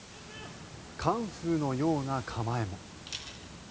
カンフーのような構えも。